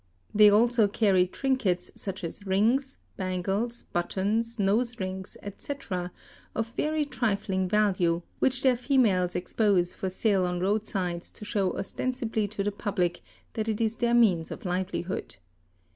They also carry trinkets such as rings, bangles, buttons, nose rings, etc., of very trifling value, which their females expose for sale on road sides to show ostensibly to the public that it is their means of livelihood.